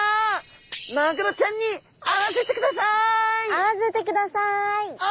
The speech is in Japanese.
会わせてください！